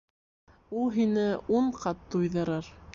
Ул һине ун ҡат туйҙырыр.